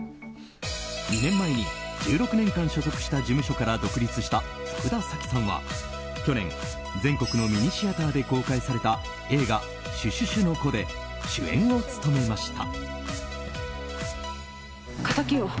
２年前に１６年間所属した事務所から独立した福田沙紀さんは去年、全国のミニシアターで公開された映画「シュシュシュの娘」で主演を務めました。